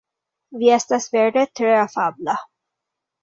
Vi estas vere tre afabla.